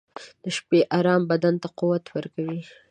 • د شپې ارام بدن ته قوت ورکوي.